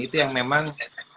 itu yang memang